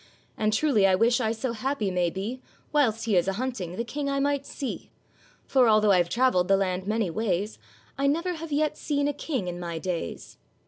'And truly I wish I so happy may be Whilst he is a hunting the King I might see; For although I've travelled the land many ways I never have yet seen a King in my days.